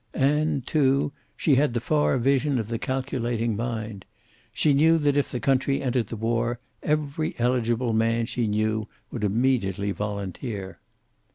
And, too, she had the far vision of the calculating mind. She knew that if the country entered the war, every eligible man she knew would immediately volunteer.